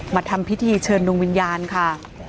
มาทำพิธีเชิญดวงวิญญาณค่ะ